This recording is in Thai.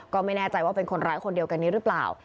ก็ไม่แน่ใจว่าเป็นคนร้ายคนเดียวกันนี้หรือเปล่า